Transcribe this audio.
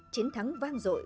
chiến thắng vang dội